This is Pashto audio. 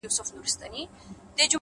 د حقیقت مینه حکمت زېږوي’